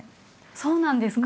そうなんですか？